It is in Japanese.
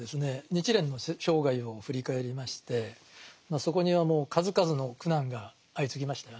日蓮の生涯を振り返りましてそこにはもう数々の苦難が相次ぎましたよね。